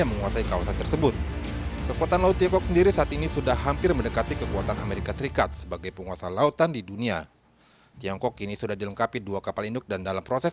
menurut saya itu egp power